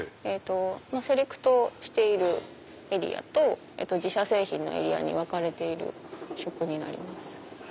セレクトしているエリアと自社製品のエリアに分かれているショップになります。